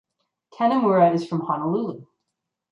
Kanemura is from Honolulu.